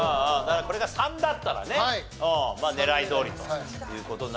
これが３だったらね狙いどおりという事になりますが。